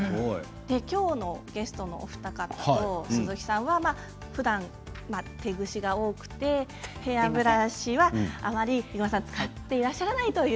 ゲストのお二方と鈴木さんはふだん、手ぐしが多くてヘアブラシはあまり使っていらっしゃらないという。